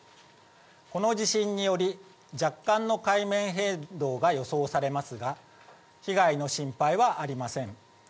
この地震により、若干の海面変動が予想されますが、被害の心配はありません。